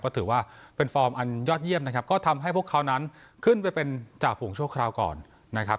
ก็ถือว่าเป็นฟอร์มอันยอดเยี่ยมนะครับก็ทำให้พวกเขานั้นขึ้นไปเป็นจ่าฝูงชั่วคราวก่อนนะครับ